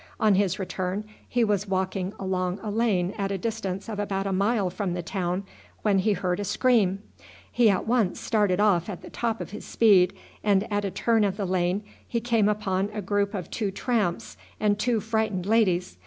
On his return he was walking along a lane at a distance of about a mile from the town, when he heard a scream. He at once started off at the top of his speed, and at a turn of the lane he came upon a group of two tramps and two frightened ladies.